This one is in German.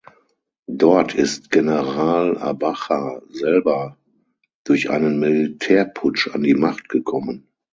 Dort ist General Abacha selber durch einen Militärputsch an die Macht gekommen.